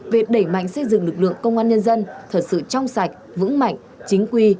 về đẩy mạnh xây dựng lực lượng công an nhân dân thật sự trong sạch vững mạnh chính quy